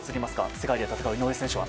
世界で戦う井上選手は。